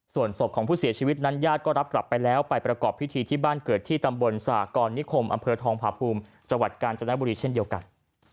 ส่วนศพของผู้เสียชีวิตนั้นญาติก็รับกลับไปแล้วไปประกอบพิธีที่บ้านเกิดที่ตำบลสากรนิคมอำเภอทองผาภูมิจังหวัดกาญจนบุรีเช่นเดียวกัน